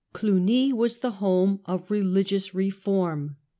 Cluny was the home of religious reform.